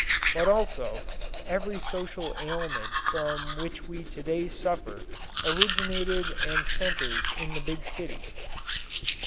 But also every social ailment from which we to day suffer originated and centres in the big cities.